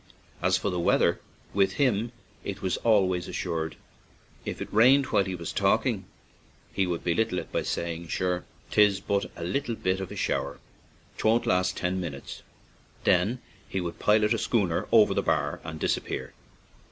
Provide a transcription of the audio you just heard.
As for the weather, with him it was al ways assured; if it rained while he was talking, he would belittle it by saying, "Sure, 'tis but a little bit of a shower; 'twon't last ten minutes"; then he would pilot a schooner over the bar and disap pear.